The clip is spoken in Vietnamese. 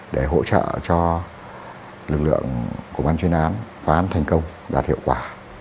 để hỗ trợ cho lực lượng của ban chuyên án phán thành công đạt hiệu quả